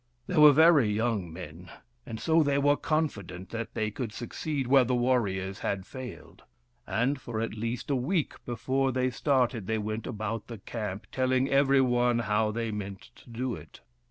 They were very young men, and so they were confident that they could succeed where the warriors had failed ; and for at least a week before they started they went about the camp telling every one how they meant to do it.